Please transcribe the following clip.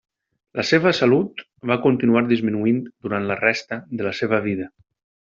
La seva salut va continuar disminuint durant la resta de la seva vida.